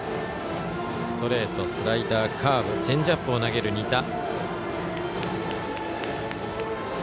ストレートスライダー、カーブチェンジアップを投げる仁田。